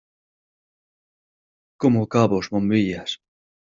como cabos, bombillas.